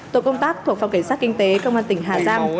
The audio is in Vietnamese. tổ công tác thuộc phòng cảnh sát kinh tế công an tỉnh hà giang